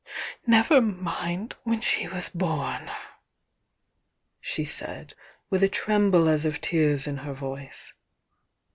"Never mind when she was born!" she said, with a tremble as of tears in her voice.